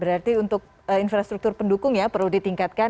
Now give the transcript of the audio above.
berarti untuk infrastruktur pendukung ya perlu ditingkatkan